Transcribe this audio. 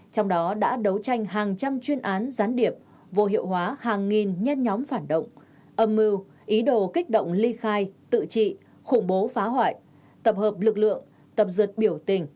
trong đó đã đấu tranh hàng trăm chuyên án gián điệp vô hiệu hóa hàng nghìn nhen nhóm phản động âm mưu ý đồ kích động ly khai tự trị khủng bố phá hoại tập hợp lực lượng tập dượt biểu tình